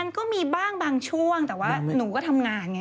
มันก็มีบ้างบางช่วงแต่ว่าหนูก็ทำงานไง